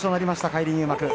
返り入幕